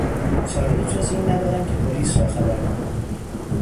چارهای جز این ندارم که پلیس را خبر کنم.